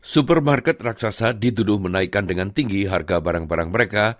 supermarket raksasa dituduh menaikkan dengan tinggi harga barang barang mereka